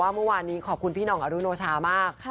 บอกว่าเมื่อวานนี้ขอบคุณพี่น้องอารุโนชามาก